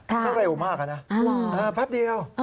ก็เร็วมากนะแป๊บเดียว